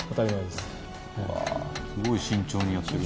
すごい慎重にやってる。